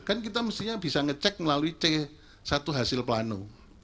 kan kita mestinya bisa ngecek melalui c satu hasil plano